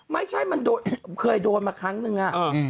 ไม่ใช่มันโดนเคยโดนมาครั้งหนึ่ง